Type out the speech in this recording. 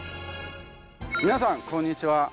皆さんこんにちは。